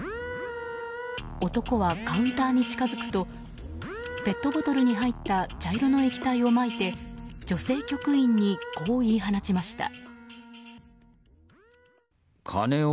男はカウンターに近づくとペットボトルに入った茶色の液体をまいて女性局員にこう言い放ちました。